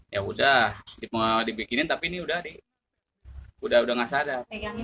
ya udah dibikinin tapi ini udah gak sadar